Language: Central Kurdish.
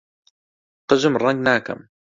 قژم ڕەنگ ناکەم.